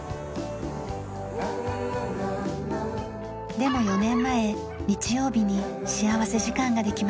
でも４年前日曜日に幸福時間ができました。